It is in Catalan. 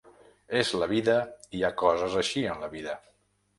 És la vida i hi ha coses així en la vida.